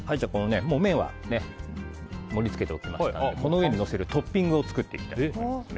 麺は盛り付けておきましたのでこの上にのせるトッピングを作っていきます。